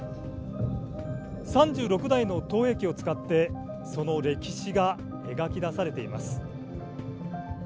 ３６台の投影機を使って、その歴史が描き出されています。